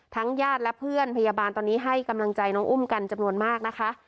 ญาติและเพื่อนพยาบาลตอนนี้ให้กำลังใจน้องอุ้มกันจำนวนมากนะคะ